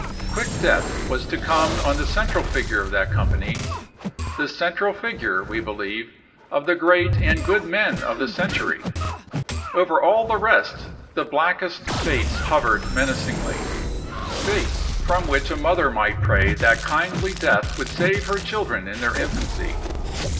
Quick death was to come on the central figure of that company — the central figure, we believe, of the great and good men of the century. Over all the rest the blackest fates hovered menacingly — fates from which a mother might pray that kindly death would save her children in their infancy.